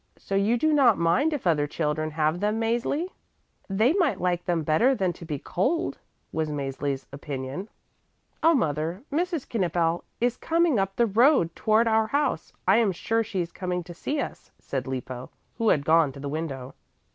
So you do not mind if other children have them, Mäzli?" "They might like them better than to be cold," was Mäzli's opinion. "Oh, mother, Mrs. Knippel is coming up the road toward our house; I am sure she is coming to see us," said Lippo, who had gone to the window.